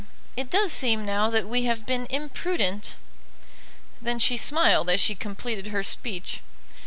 It does seem now that we have been imprudent." Then she smiled as she completed her speech.